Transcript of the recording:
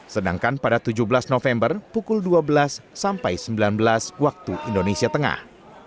sedangkan pada tujuh belas november pukul dua belas sampai sembilan belas waktu indonesia tengah